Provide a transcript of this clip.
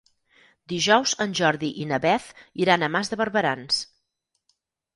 Dijous en Jordi i na Beth iran a Mas de Barberans.